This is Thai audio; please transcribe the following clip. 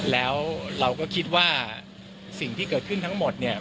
แล้วเราก็คิดว่าสิ่งที่เกิดขึ้นทั้งหมดเนี่ย